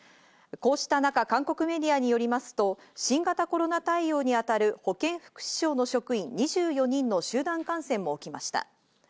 こうした中、韓国メディアによりますと、新型コロナ対応に当たる保健福祉省の職員２４人の集団感染も起きました。